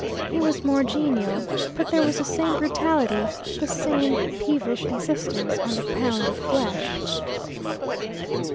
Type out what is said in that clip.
He was more genial, but there was the same brutality, the same peevish insistence on the pound of flesh.